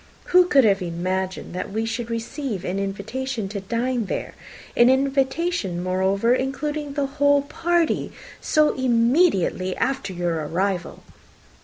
Who could have imagined that we should receive an invitation to dine there (an invitation, moreover, including the whole party) so immediately after your arrival?"